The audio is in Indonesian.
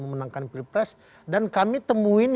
memenangkan pilpres dan kami temuin